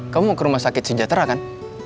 kamu ke rumah sakit sejahtera kan